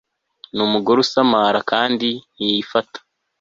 Ni umugore usamara kandi ntiyifata